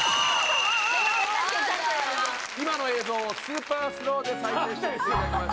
今の映像をスーパースローで再生していただきます。